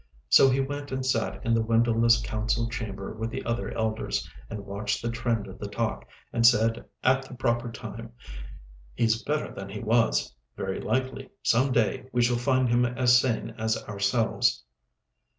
So he went and sat in the windowless council chamber with the other elders and watched the trend of the talk, and said, at the proper time, "He's better than he was. Very likely, some day, we shall find him as sane as ourselves."